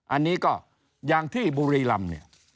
อันนี้ก็อย่างที่บุรีรำเนี่ย